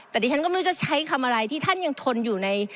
แต่ดิฉันก็ไม่รู้จะใช้คำอะไรที่ท่านยังทนอยู่ใน